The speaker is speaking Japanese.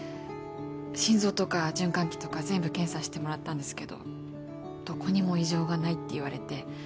心臓とか循環器とか全部検査してもらったんですけどどこにも異常がないって言われて。